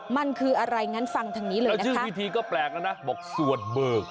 มันคืออะไรงั้นฟังทางนี้เลยนะแล้วชื่อวิธีก็แปลกแล้วนะบอกสวดเบิก